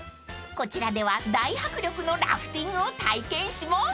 ［こちらでは大迫力のラフティングを体験します］